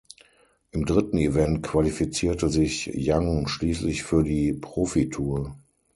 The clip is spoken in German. Im dritten Event qualifizierte sich Young schließlich für die Profitour.